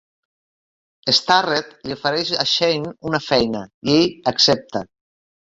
Starrett li ofereix a Shane una feina, i ell accepta.